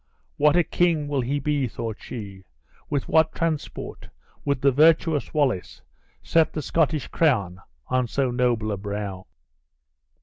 "What a king will he be?" thought she; "with what transport would the virtuous Wallace set the Scottish crown on so noble a brow."